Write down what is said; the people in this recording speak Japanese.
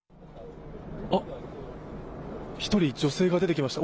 １人、女性が出てきました。